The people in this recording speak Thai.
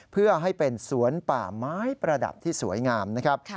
เพื่อให้เป็นสวนป่าไม้ประดับที่สวยงามนะครับ